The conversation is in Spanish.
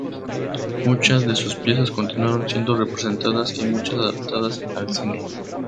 Muchas de sus piezas continuaron siendo representadas, y muchas adaptadas al cine.